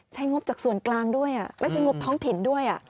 งบจากส่วนกลางด้วยไม่ใช่งบท้องถิ่นด้วย